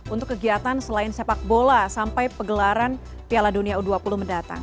untuk kegiatan selain sepak bola sampai pegelaran piala dunia u dua puluh mendatang